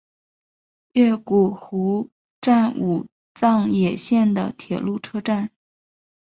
越谷湖城站武藏野线的铁路车站。